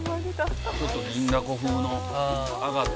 「ちょっと銀だこ風の揚がった感じに」